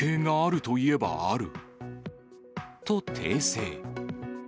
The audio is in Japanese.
と、訂正。